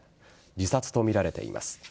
自殺とみられています。